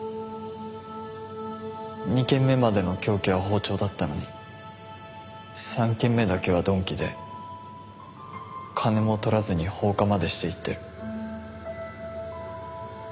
２件目までの凶器は包丁だったのに３件目だけは鈍器で金も取らずに放火までしていってる。